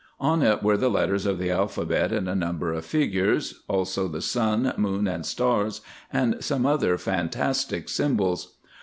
On it were the letters of the alphabet and a number of figures, also the sun, moon, and stars, and some other fantastic symbols.